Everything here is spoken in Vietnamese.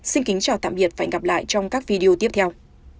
xin kính chào tạm biệt và hẹn gặp lại trong các video tiếp theo